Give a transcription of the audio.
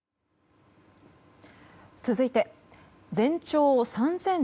続いて全長３７００ｋｍ。